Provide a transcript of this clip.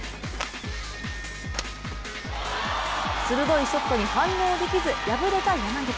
鋭いショットに反応できず敗れた山口。